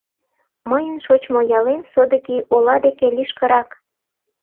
Мыйын шочмо ялем содыки ола деке лишкырак.